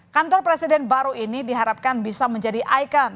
kantor presiden baru ini diharapkan bisa menjadi ikon